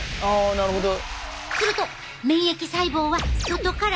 なるほどね。